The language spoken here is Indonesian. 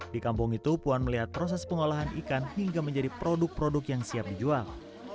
di kampung itu puan melihat proses pengolahan ikan hingga menjadi produk produk yang siap dijual